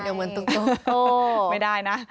เดี๋ยวมันตรงโอ้ไม่ได้นะ